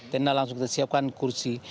tenda langsung kita siapkan kursi